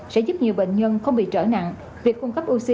sẽ giúp nhiều bệnh nhân không bị trở nặng